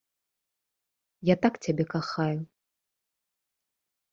Я так цябе кахаю.